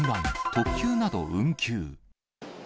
特急など運休。